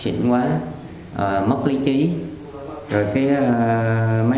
những người có mặt tại chốt đã tước được an